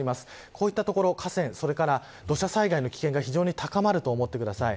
こういった所、河川、土砂災害の危険が非常に高まると思ってください。